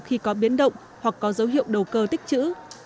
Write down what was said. khi có biến động hoặc có dấu hiệu đầu cơ tích chữ